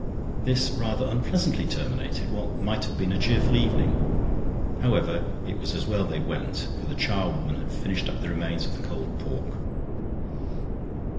This rather unpleasantly terminated what might have been a cheerful evening. However, it was as well they went, for the charwoman had finished up the remains of the cold pork.